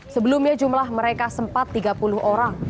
sebelumnya jumlah mereka sempat tiga puluh orang